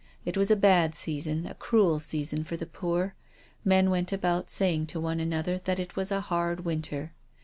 It was a bad season, a cruel season for the poor. Men went about saying to one another that it was a hard winter.